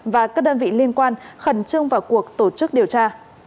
và các đơn vị liên quan khẩn trương vào cuộc tổ chức điều tra